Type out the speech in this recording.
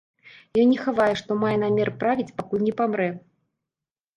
Ён не хавае, што мае намер правіць, пакуль не памрэ.